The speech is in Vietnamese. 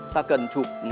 ta cần chụp